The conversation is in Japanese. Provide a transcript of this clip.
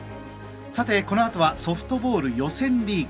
このあとは、ソフトボール予選リーグ。